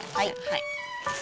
はい。